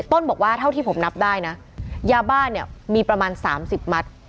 ต้นบอกว่าเท่าที่ผมนับได้นะยาบ้านเนี่ยมีประมาณ๓๐มัตต์